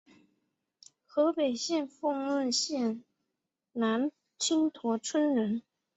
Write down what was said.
河北省丰润县南青坨村人。